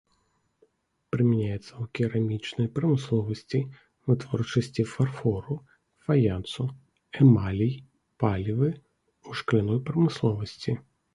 Прымяняецца ў керамічнай прамысловасці, вытворчасці фарфору, фаянсу, эмалей, палівы, у шкляной прамысловасці.